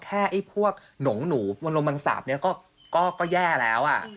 แค่หนูรมงสับเนี่ยก็แย่แล้ว